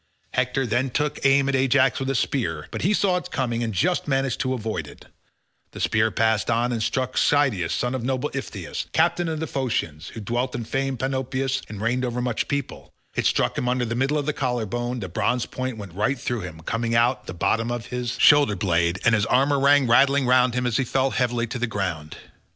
Hector then took aim at Ajax with a spear, but he saw it coming and just managed to avoid it; the spear passed on and struck Schedius son of noble Iphitus, captain of the Phoceans, who dwelt in famed Panopeus and reigned over much people; it struck him under the middle of the collar bone the bronze point went right through him, coming out at the bottom of his shoulder blade, and his armour rang rattling round him as he fell heavily to the ground.